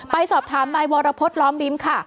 ไปสอบถามนายวรพฤษล้อมลิ้มค่ะ